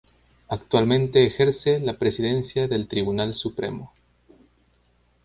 Actualmente ejerce la presidencia del Tribunal Supremo.